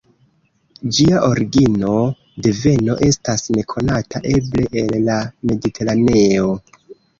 Ĝia origino, deveno estas nekonata, eble el la Mediteraneo.